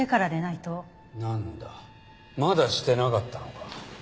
なんだまだしてなかったのか。